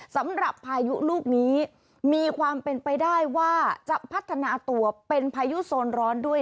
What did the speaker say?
พายุลูกนี้มีความเป็นไปได้ว่าจะพัฒนาตัวเป็นพายุโซนร้อนด้วย